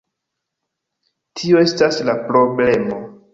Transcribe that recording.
Tio estas la problemo